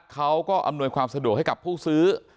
อำนวยความสะดวกให้กับผู้ซื้อ